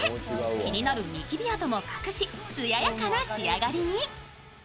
気になるにきび跡も隠し、つややかな仕上がりに。